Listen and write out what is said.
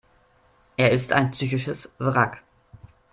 Er ist ein psychisches Wrack.